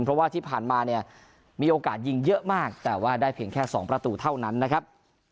เพราะว่าที่ผ่านมาเนี่ยมีโอกาสยิงเยอะมากแต่ว่าได้เพียงแค่๒ประตูเท่านั้นนะครับ